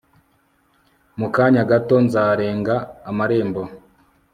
mu kanya gato nzarenga amarembo